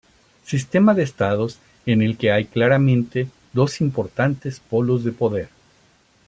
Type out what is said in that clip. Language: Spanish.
Sistema de estados en el que hay claramente dos importantes polos de poder.